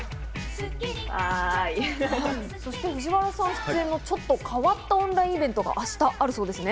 そして藤原さん出演のちょっと変わったオンラインイベントがあるようですね。